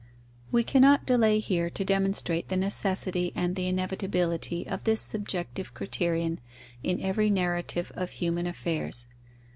We cannot delay here to demonstrate the necessity and the inevitability of this subjective criterion in every narrative of human affairs.